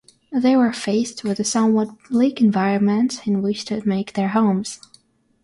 They were faced with a somewhat bleak environment in which to make their homes.